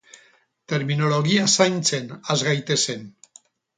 Terminologia zaintzen has gaitezen.